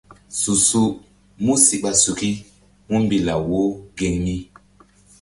Su-su músi ɓa suki múmbi law wo geŋ mi.